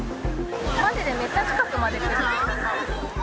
まじでめっちゃ近くまで来る。